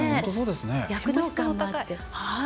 躍動感もあって。